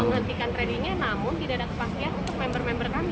menghentikan tradingnya namun tidak ada kepastian untuk member member kami